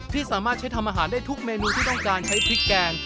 ที่สามารถใช้ทำอาหารได้ทุกเมนูที่ต้องการใช้พริกแกง